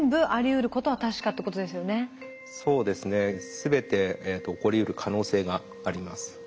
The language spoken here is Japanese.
全て起こりうる可能性があります。